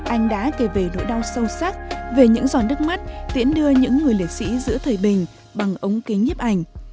anh đã kể về nỗi đau sâu sắc về những giòn đất mắt tiễn đưa những người liệt sĩ giữa thời bình bằng ống kính nhiếp ảnh